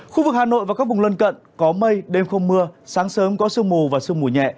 khu vực hà nội và các vùng lân cận có mây đêm không mưa sáng sớm có sương mù và sương mù nhẹ